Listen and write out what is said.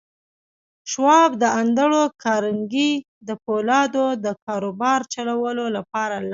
شواب د انډريو کارنګي د پولادو د کاروبار چلولو لپاره لاړ.